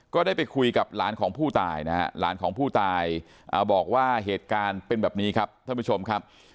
ก็ได้ไปคุยกับหลานของผู้ตายนะฮะหลานของผู้ตายบอกว่าเหตุการณ์เป็นแบบนี้ครับท่านผู้ชมครับ